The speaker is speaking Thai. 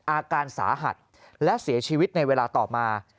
อาการสาหัสและเสียชีวิตในเวลาต่อมา